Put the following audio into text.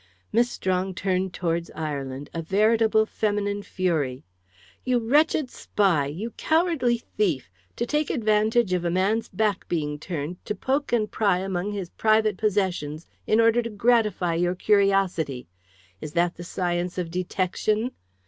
Miss Strong turned towards Ireland a veritable feminine fury. "You wretched spy! you cowardly thief! To take advantage of a man's back being turned to poke and pry among his private possessions in order to gratify your curiosity! Is that the science of detection?"